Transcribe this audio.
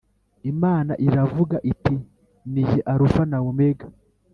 imana iravuga iti ninjye arufa na omega